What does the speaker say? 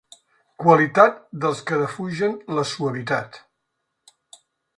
Qualitat dels que defugen la suavitat.